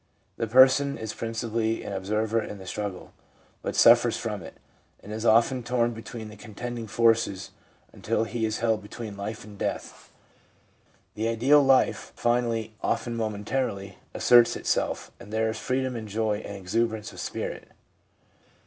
The person is principally an observer in the struggle, but suffers from it, and is often torn between the contending forces until he is held between life and death. The ideal life finally, often momentarily, asserts itself, and there is freedom and joy and exuberance of spirit.